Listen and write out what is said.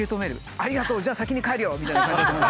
「ありがとう！じゃあ先に帰るよ」みたいな感じだと思う。